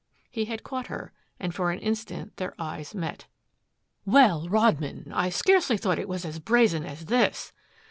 He had caught her and for an instant their eyes met. "Well, Rodman I scarcely thought it was as brazen as this!"